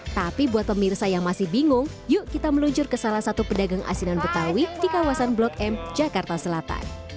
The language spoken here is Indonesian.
tapi buat pemirsa yang masih bingung yuk kita meluncur ke salah satu pedagang asinan betawi di kawasan blok m jakarta selatan